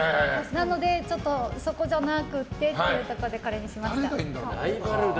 なのでそこじゃなくてっていうところでこれにしました。